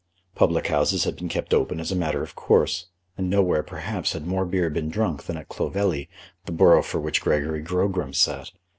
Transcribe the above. Public houses had been kept open as a matter of course, and nowhere perhaps had more beer been drunk than at Clovelly, the borough for which Sir Gregory Grogram sat.